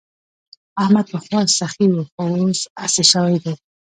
احمد پخوا سخي وو خو اوس اسي شوی دی.